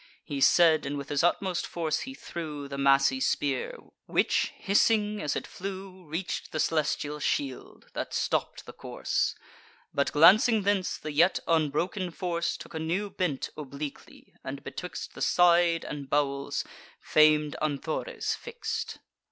He said; and with his utmost force he threw The massy spear, which, hissing as it flew, Reach'd the celestial shield, that stopp'd the course; But, glancing thence, the yet unbroken force Took a new bent obliquely, and betwixt The side and bowels fam'd Anthores fix'd.